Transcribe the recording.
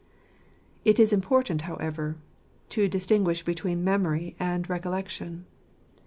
It is important \ however, to distinguish between memory and recollection.'